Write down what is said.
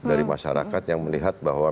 dari masyarakat yang melihat bahwa